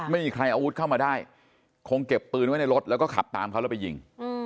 ไม่มีใครอาวุธเข้ามาได้คงเก็บปืนไว้ในรถแล้วก็ขับตามเขาแล้วไปยิง